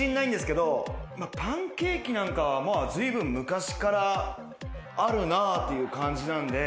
パンケーキなんかはずいぶん昔からあるなっていう感じなんで。